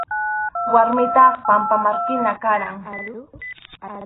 Warmiytaq pampamarkina karqan.